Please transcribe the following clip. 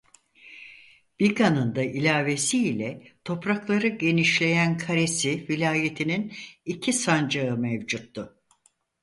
Biga'nın da ilavesi ile toprakları genişleyen Karesi Vilayeti'nin iki sancağı mevcuttu.